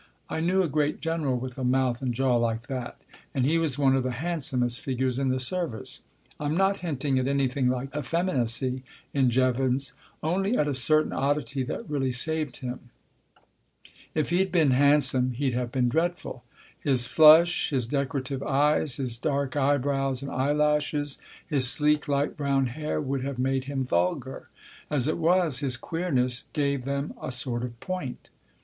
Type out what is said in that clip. I knew a great General with a mouth and jaw like that, and he was one of the handsomest figures in the Service. I'm not hinting at anything like effeminacy in Jevons, only at a certain oddity that really saved him. If he'd been handsome he'd have been dreadful. His flush, his decorative eyes, his dark eyebrows and eyelashes, his sleek, light brown hair, would have made him vulgar. As it was, his queerness gave them a sort of point.